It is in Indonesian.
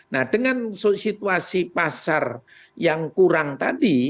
nah dengan situasi pasar yang kurang tadi